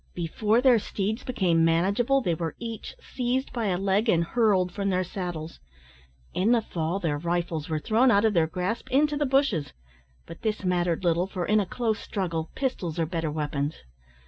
Before their steeds became manageable, they were each seized by a leg, and hurled from their saddles. In the fall, their rifles were thrown out of their grasp into the bushes; but this mattered little, for in a close struggle pistols are better weapons.